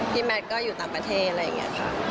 แมทก็อยู่ต่างประเทศอะไรอย่างนี้ค่ะ